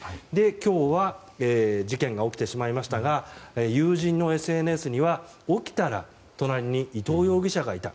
今日は事件が起きてしまいましたが友人のＳＮＳには起きたら隣に伊藤容疑者がいた。